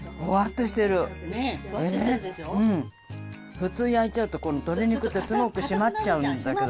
普通焼いちゃうとこのとり肉ってすごくしまっちゃうんだけど。